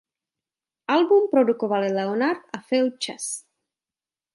Album produkovali Leonard a Phil Chess.